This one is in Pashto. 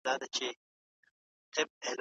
شخصیت د تجربو او تعلیمي اسنادو له مخې جوړ سوي.